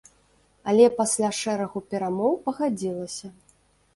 Але пасля шэрагу перамоў пагадзілася.